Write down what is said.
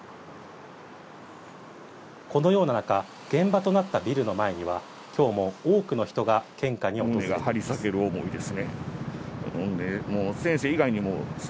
このような中、現場となったビルの前には今日も多くの人が献花に訪れています。